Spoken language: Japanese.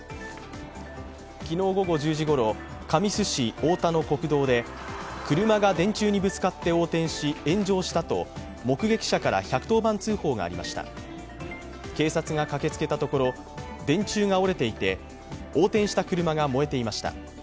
昨日午後１０時ごろ、神栖市太田の国道で車が電柱にぶつかって横転し炎上したと目撃者から１１０番通報がありました警察が駆けつけたところ、電柱が折れていて、横転した車が燃えていました。